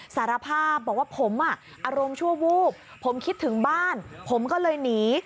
สารภาพบอกว่าผมอ่ะอารมณ์ชั่ววูบผมคิดถึงบ้านผมก็เลยหนี